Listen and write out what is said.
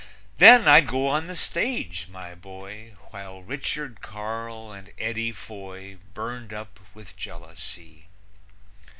Then I'd go on the stage, my boy, While Richard Carle and Eddie Foy Burned up with jealousy.